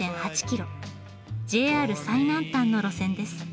ＪＲ最南端の路線です。